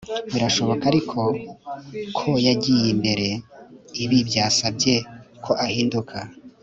birashoboka ariko ko yagiye imbere. ibi byasabye ko ahinduka